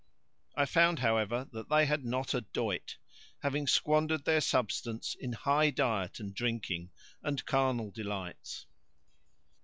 I found, however, that they had not a doit, having squandered their substance in high diet and drinking and carnal delights.